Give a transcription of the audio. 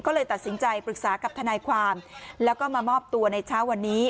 ก็เลยตัดสินใจปรึกษากับทนายความแล้วก็มามอบตัวในเช้าวันนี้